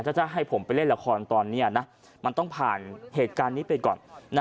ถ้าจะให้ผมไปเล่นละครตอนนี้นะมันต้องผ่านเหตุการณ์นี้ไปก่อน